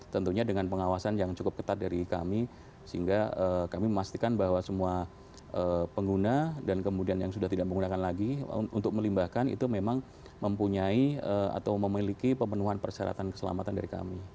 tentunya dengan pengawasan yang cukup ketat dari kami sehingga kami memastikan bahwa semua pengguna dan kemudian yang sudah tidak menggunakan lagi untuk melimbahkan itu memang mempunyai atau memiliki pemenuhan persyaratan keselamatan dari kami